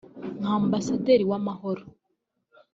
nka ambasaderi w’amahoro